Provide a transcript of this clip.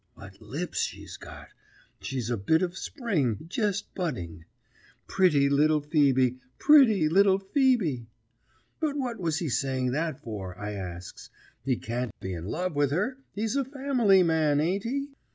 What lips she's got! She's a bit of spring, jest budding. Pritty little Ph[oe]be pretty little Ph[oe]be!'" "But what was he saying that for?" I asks. "He can't be in love with her. He's a family man, ain't he?"